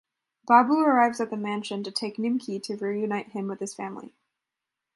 Babbu arrives at the mansion to take Nimki to reunite him with his family.